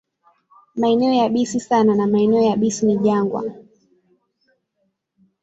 Maeneo yabisi sana na maeneo yabisi ni jangwa.